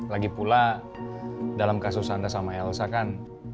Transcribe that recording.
lagi pula dalam kasus sandra sama elsa kan